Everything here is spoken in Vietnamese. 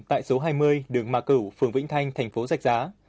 tại số hai mươi đường mạc cửu phường vĩnh thanh thành phố giạch giá